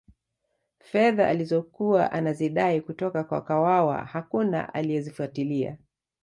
fedha alizokuwa anazidai kutoka kwa kawawa hakuna aliyezifuatilia